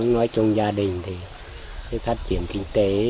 nói chung gia đình thì phát triển kinh tế